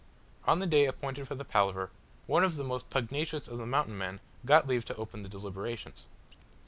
On the day appointed for the palaver, one of the most pugnacious of the Mountain men got leave to open the deliberations.